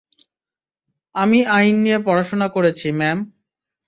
আমি আইন নিয়ে পড়াশোনা করেছি, ম্যাম।